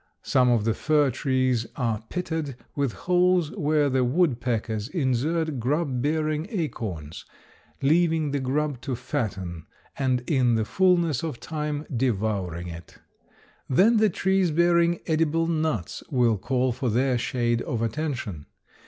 Some of the fir trees are pitted with holes where the woodpeckers insert grub bearing acorns, leaving the grub to fatten, and in the fullness of time devouring it. Then the trees bearing edible nuts will call for their share of attention.